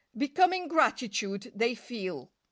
Becoming gratitude they feel.